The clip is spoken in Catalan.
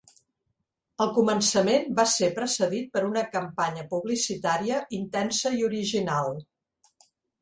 El començament va ser precedit per una campanya publicitària intensa i original.